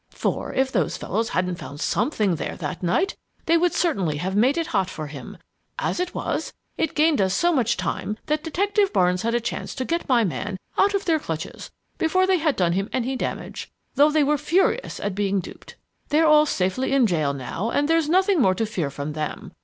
For if those fellows hadn't found something there that night, they would certainly have made it hot for him. As it was, it gained us so much time that Detective Barnes had a chance to get my man out of their clutches before they had done him any damage, though they were furious at being duped. They're all safely in jail now, and there is nothing more to fear from them.